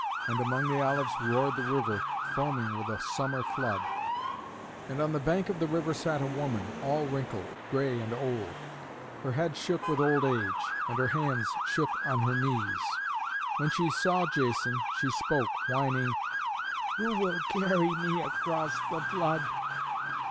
And among the olives roared the river, foaming with a summer flood. And on the bank of the river sat a woman, all wrinkled, gray and old. Her head shook with old age, and her hands shook on her knees. When she saw Jason, she spoke, whining, "Who will carry me across the flood?"